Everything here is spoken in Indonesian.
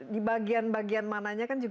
di bagian bagian mananya kan juga